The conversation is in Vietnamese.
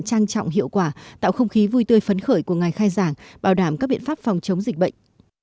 trang trọng hiệu quả tạo không khí vui tươi phấn khởi của ngày khai giảng bảo đảm các biện pháp phòng chống dịch bệnh